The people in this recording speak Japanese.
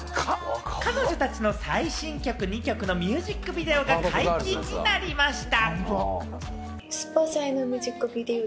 彼女たちの最新曲２曲のミュージックビデオが解禁になりました。